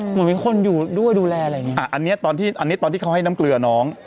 เหมือนมีคนอยู่ด้วยดูแลอะไรอย่างเงี้อ่ะอันนี้ตอนที่อันนี้ตอนที่เขาให้น้ำเกลือน้อง